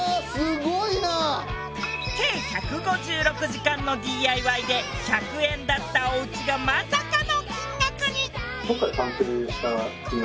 計１５６時間のＤＩＹで１００円だったおうちがまさかの金額に！